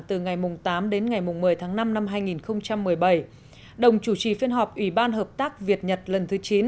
từ ngày tám đến ngày một mươi tháng năm năm hai nghìn một mươi bảy đồng chủ trì phiên họp ủy ban hợp tác việt nhật lần thứ chín